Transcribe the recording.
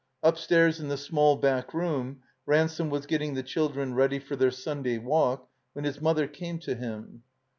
Up stairs in the small back room Ransome was getting the children ready for their Sunday walk, when his mother came to him.